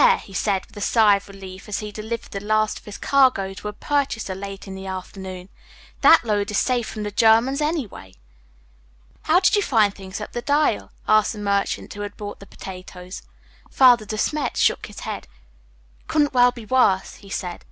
he said with a sigh of relief as he delivered the last of his cargo to a purchaser late in the afternoon; "that load is safe from the Germans, anyway." "How did you find things up the Dyle?" asked the merchant who had bought the potatoes. Father De Smet shook his head. "Couldn't well be worse," he said.